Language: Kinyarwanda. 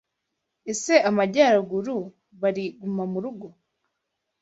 Ese Amajyaruguru bari gumamurugo?